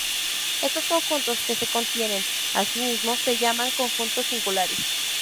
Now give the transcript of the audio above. Estos conjuntos que se contienen a sí mismos se llaman "conjuntos singulares".